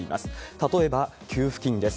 例えば給付金です。